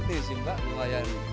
ini sih mbak lumayan